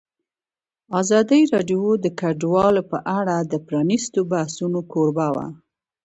ازادي راډیو د کډوال په اړه د پرانیستو بحثونو کوربه وه.